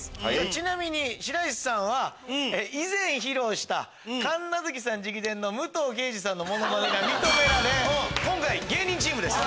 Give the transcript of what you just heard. ちなみに白石さんは以前披露した神奈月さん直伝の武藤敬司さんのモノマネが認められ今回芸人チームです。